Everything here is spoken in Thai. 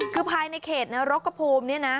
คือภายในเขตนรกกระภูมินี่นะ